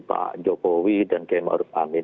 pak jokowi dan kmu ruf amin